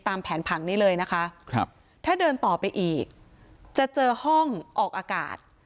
ตามแผนผังนี้เลยนะคะถ้าเดินต่อไปอีกจะเจอห้องออกอากาศ